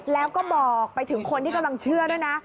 แล้วก็บอกไปถึงคนที่กำลังเชื่อด้วยนะ